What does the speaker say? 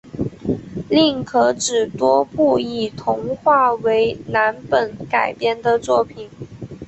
另可指多部以童话为蓝本改编的作品